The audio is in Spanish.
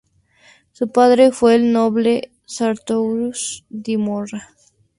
Su padre fue el noble Sartorius di Morra.